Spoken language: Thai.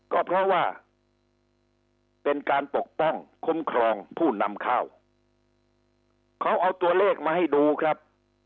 ก็เพราะว่าเป็นการปกป้องคุ้มครองผู้นำข้าวเขาเอาตัวเลขมาให้ดูครับ